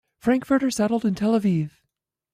Frankfurter settled in Tel Aviv.